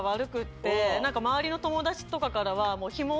周りの友達とかからは。